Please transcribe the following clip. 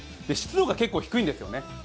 湿度が低いんですよね。